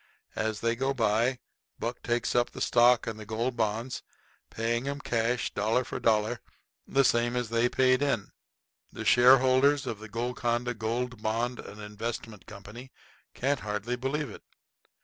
As they go by, Buck takes up the stock and the Gold Bonds, paying 'em cash, dollar for dollar, the same as they paid in. The shareholders of the Golconda Gold Bond and Investment Company can't hardly believe it.